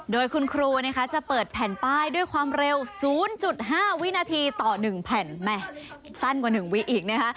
โดยคุณครูนะคะจะเปิดแผ่นป้ายด้วยความเร็ว๐๕วินาทีต่อ๑แผ่นสั้นกว่า๑วิอีกนะคะ